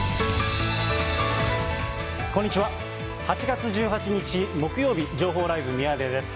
８月１８日木曜日、情報ライブミヤネ屋です。